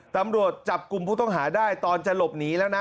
ตำรวจจับกลุ่มผู้ต้องหาได้ตอนจะหลบหนีแล้วนะ